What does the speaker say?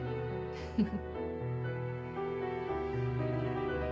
フフフ。